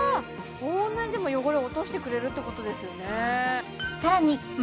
こんなにでも汚れを落としてくれるってことですよね